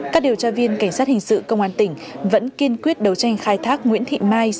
các điều tra viên cảnh sát hình sự công an tỉnh vẫn kiên quyết đấu tranh khai thác nguyễn thị mai